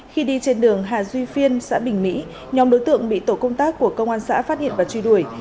khi đi trên đường hà duy phiên xã bình mỹ nhóm đối tượng bị tổ công tác của công an xã phát hiện và truy đuổi